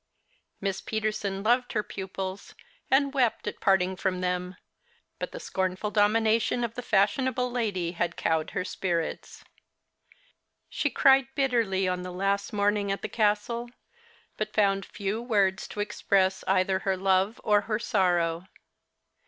Miss Peterson loved her pupils, and wept at parting from them ; but the scornful domination of the fashionable lady had eoAved her spirits. She cried bitterly on the last morning at 60 The Christmas Hirelings. the Castle, but found few words to express either her love or her sorrow.